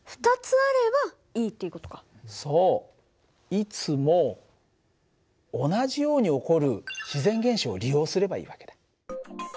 いつも同じように起こる自然現象を利用すればいい訳だ。